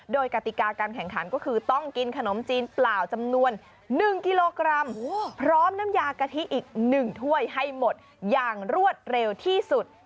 โดยกติกาการแข่งขันก็คือต้องกินขนมจีนเปล่าจำนวน๑กิโลกรัมพร้อมน้ำยากะทิอีก๑ถ้วยให้หมดอย่างรวดเร็วที่สุด